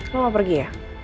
lo mau pergi ya